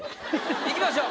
いきましょう。